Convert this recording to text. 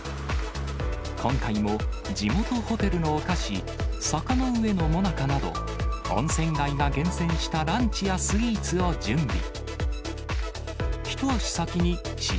今回も地元ホテルのお菓子、坂ノ上の最中など、温泉街が厳選したランチやスイーツを準備。